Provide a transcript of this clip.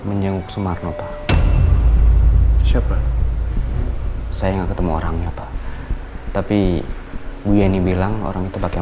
menjenguk sumarno pak saya nggak ketemu orangnya pak tapi bu yeni bilang orang itu pakai